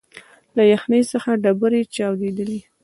له یخنۍ څخه ډبري چاودېدلې